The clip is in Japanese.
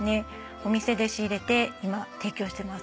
お店で仕入れて今提供してます。